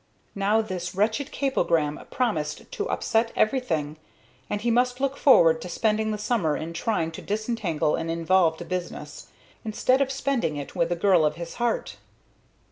Now this wretched cablegram promised to upset everything, and he must look forward to spending the summer in trying to disentangle an involved business, instead of spending it with the girl of his heart.